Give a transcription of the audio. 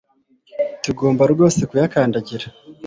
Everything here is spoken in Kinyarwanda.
Tugomba rwose kuyikandagira